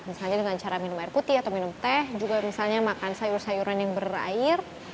misalnya dengan cara minum air putih atau minum teh juga misalnya makan sayur sayuran yang berair